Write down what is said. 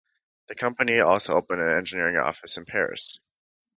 The company also opened an engineering office in Paris.